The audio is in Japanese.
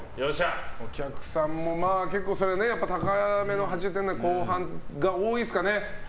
お客さんも結構高めの８０点代後半が多いですかね。